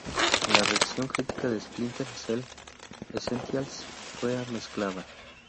La reacción crítica de Splinter Cell: Essentials fue mezclada.